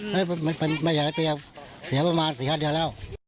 มาหลายปีเสียมานี่ครับเกิดละ